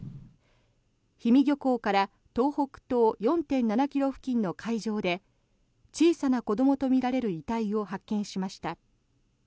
氷見漁港から東北東４．７ｋｍ付近の海上で小さな子どもとみられる遺体を発見しました。